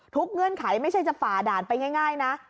เงื่อนไขไม่ใช่จะฝ่าด่านไปง่ายนะ